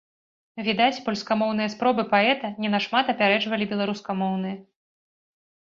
Відаць, польскамоўныя спробы паэта не на шмат апярэджвалі беларускамоўныя.